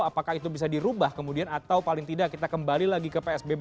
apakah itu bisa dirubah kemudian atau paling tidak kita kembali lagi ke psbb